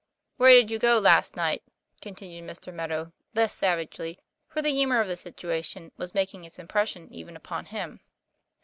"Where did you go last night ?' continued Mr. Meadow, less savagely, for the humor of the situa tion was making its impression even upon him.